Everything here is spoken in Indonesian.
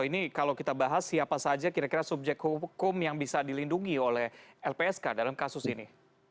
ini kalau kita bahas siapa saja kira kira subjek hukum yang bisa dilindungi oleh lpsk dalam kasus ini